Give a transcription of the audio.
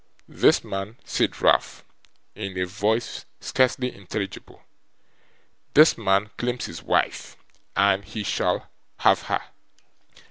'This man,' said Ralph, in a voice scarcely intelligible, 'this man claims his wife, and he shall have her.